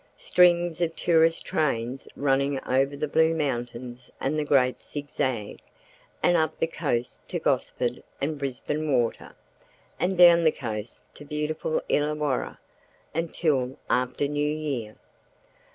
Strings of tourist trains running over the Blue Mountains and the Great Zigzag, and up the coast to Gosford and Brisbane Water, and down the south coast to beautiful Illawarra, until after New Year.